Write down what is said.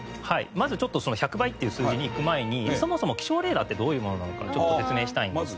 まずちょっとその１００倍っていう数字にいく前にそもそも気象レーダーってどういうものなのかちょっと説明したいんですけども。